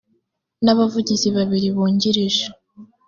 n abavugizi babiri bungirije